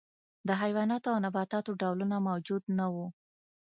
د حیواناتو او نباتاتو ډولونه موجود نه وو.